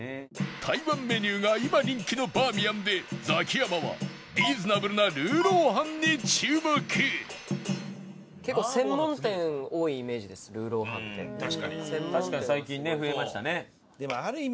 台湾メニューが今人気のバーミヤンでザキヤマはリーズナブルなルーロー飯に注目でもある意味